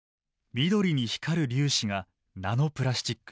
緑に光る粒子がナノプラスチック。